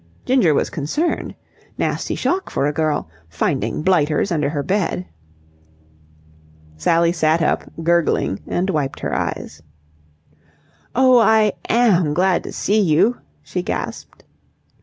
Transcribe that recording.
Ginger was concerned. Nasty shock for a girl, finding blighters under her bed. Sally sat up, gurgling, and wiped her eyes. "Oh, I am glad to see you," she gasped.